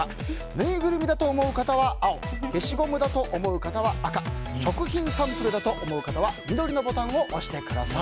ぬいぐるみだと思う人は青消しゴムだと思う人は赤食品サンプルだと思う人は緑のボタンを押してください。